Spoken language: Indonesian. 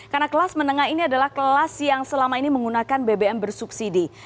karena kelas menengah ini adalah kelas yang selama ini menggunakan bbm bersubsidi